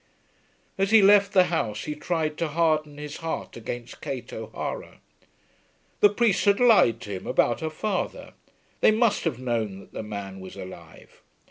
As he left the house he tried to harden his heart against Kate O'Hara. The priest had lied to him about her father. They must have known that the man was alive.